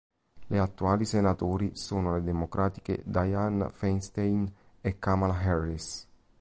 Gli attuali senatori sono le democratiche Dianne Feinstein e Kamala Harris.